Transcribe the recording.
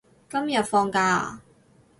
今日放假啊？